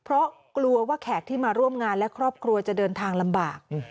เพราะกลัวว่าแขกที่มาร่วมงานและครอบครัวจะเดินทางลำบาก